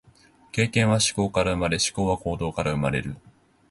経験は思考から生まれ、思考は行動から生まれる。